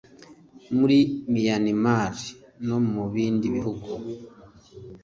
muri Miyanimari no mu bindi bihugu